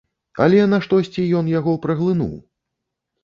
Але наштосьці ён яго праглынуў!